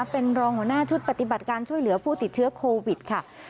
เป็นรองหัวหน้าชุดปฏิบัติการช่วยเหลือผู้ติดเชื้อโควิดค่ะ